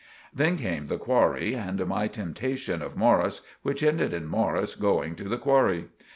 Then came the qwarry and my temptashun of Morris, which ended in Morris going to the qwarry.